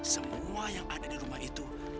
semua yang ada di rumah itu